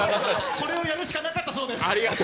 これをやるしかなかったそうです。